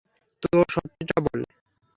তো, সত্যিটা বল।